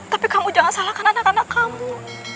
tapi kamu jangan salahkan anak anak kamu